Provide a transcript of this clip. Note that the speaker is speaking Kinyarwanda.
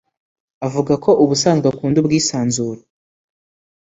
Avuga ko ubusanzwe akunda ubwisanzure